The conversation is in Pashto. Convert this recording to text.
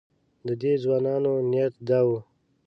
د دې ځوانانو نیت دا و.